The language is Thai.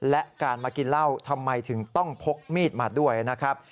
และการมากินเหล้าทำไมถึงต้องพกมีดมาด้วยนะครับ